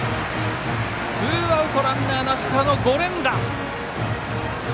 ツーアウトランナーなしからの５連打。